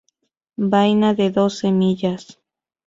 Vaina de dos semillas.